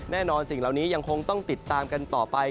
แน่นอนสิ่งเหล่านี้คงต้องติดตามกันต่อไป